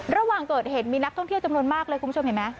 ระหว่างเกิดเหตุมีนักท่องเที่ยวจำนวนมากเลยคุณผู้ชมเห็นไหม